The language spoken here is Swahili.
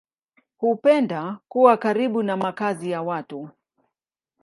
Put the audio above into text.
Hupenda kuwa karibu na makazi ya watu.